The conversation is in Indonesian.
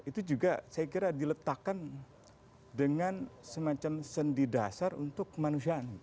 itu juga saya kira diletakkan dengan semacam sendi dasar untuk kemanusiaan